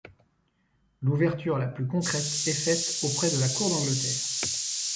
L'ouverture la plus concrète est faite auprès de la cour d'Angleterre.